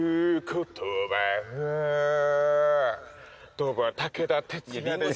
どうも武田鉄矢です。